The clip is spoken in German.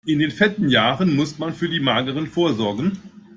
In den fetten Jahren muss man für die mageren vorsorgen.